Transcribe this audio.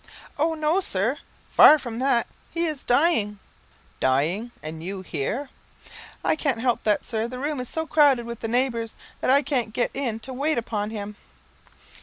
"Oh, no, sir, far from that; he is dying!" "Dying! and you here?" "I can't help that, sir. The room is so crowded with the neighbours, that I can't get in to wait upon him."